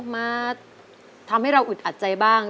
มาทำให้เราอึดอัดใจบ้าง